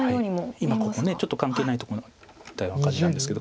今ここちょっと関係ないとこに打ったような感じなんですけど。